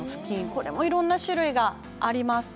これもいろいろな種類があります。